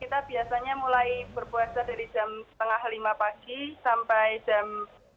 kita biasanya mulai berpuasa dari jam setengah lima pagi sampai jam dua puluh dua tiga puluh